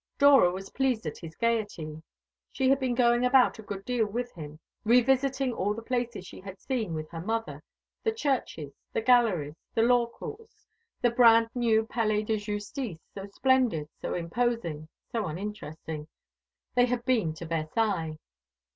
Dora was pleased at his gaiety. She had been going about a good deal with him, revisiting all the places she had seen with her mother the churches, the galleries, the law courts, that brand new Palais de Justice, so splendid, so imposing, so uninteresting. They had been to Versailles.